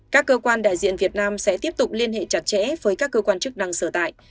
các cơ quan đại diện việt nam sẽ tiếp tục liên hệ chặt chẽ với các cơ quan chức năng sở tại